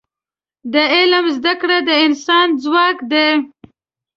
د علم زده کړه د انسان ځواک دی.